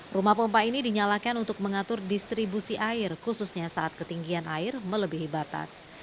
rumah pompa ini dinyalakan untuk mengatur distribusi air khususnya saat ketinggian air melebihi batas